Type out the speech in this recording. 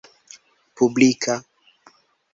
publika